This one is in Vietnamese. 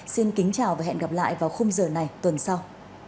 xin kính chào và hẹn gặp lại vào khung giờ này tuần sau